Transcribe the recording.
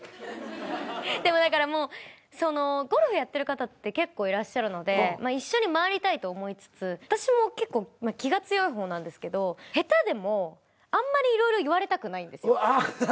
だからゴルフやってる方って結構いらっしゃるので一緒に回りたいと思いつつ私も結構気が強い方なんですけど下手でもあんまり色々言われたくないんですよ。